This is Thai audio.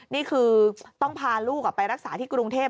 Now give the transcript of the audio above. นี่คือต้องพาลูกไปรักษาที่กรุงเทพ